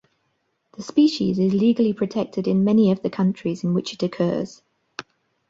The species is legally protected in many of the countries in which it occurs.